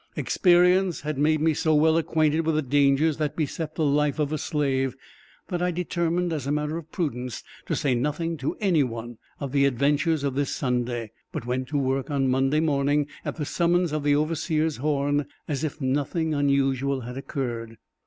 Experience had made me so well acquainted with the dangers that beset the life of a slave, that I determined, as a matter of prudence, to say nothing to any one of the adventures of this Sunday, but went to work on Monday morning, at the summons of the overseer's horn, as if nothing unusual had occurred.